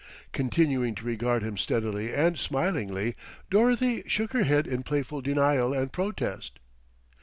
Continuing to regard him steadily and smilingly, Dorothy shook her head in playful denial and protest.